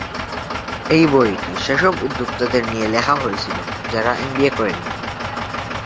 এই বইটি সেসব উদ্যোক্তাদের নিয়ে লেখা হয়েছিল, যাঁরা এমবিএ করেন নি।